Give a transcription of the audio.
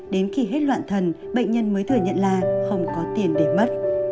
đến khi hết loạn thần bệnh nhân mới thừa nhận là không có tiền để mất